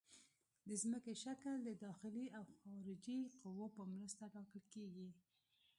د ځمکې شکل د داخلي او خارجي قوو په مرسته ټاکل کیږي